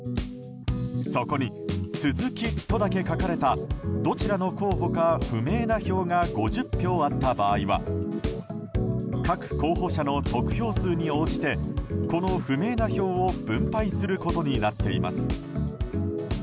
そこに鈴木とだけ書かれたどちらの候補か不明な票が５０票あった場合は各候補者の得票数に応じてこの不明な票を分配することになっています。